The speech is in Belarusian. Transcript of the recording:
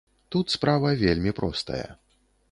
Тут справа вельмі простая.